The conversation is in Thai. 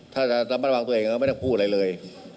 ถ้าจะระมัดระวังตัวเองก็ไม่ต้องพูดอะไรเลย